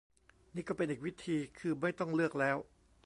นี่ก็เป็นอีกวิธี คือไม่ต้องเลือกแล้ว